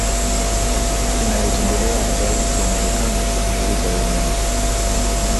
inayotembelewa na Rais wa Marekani kujimulika yenyewe